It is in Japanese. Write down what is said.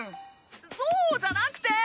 そうじゃなくて！